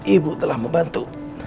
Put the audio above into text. ibu telah membantu